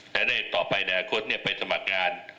และในต่อไปในอนาคตไปสมัครงาน